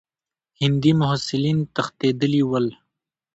هندي محصلین تښتېدلي ول.